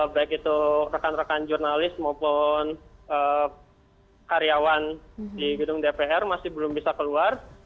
baik itu rekan rekan jurnalis maupun karyawan di gedung dpr masih belum bisa keluar